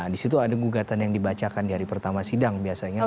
di situ ada gugatan yang dibacakan di hari pertama sidang biasanya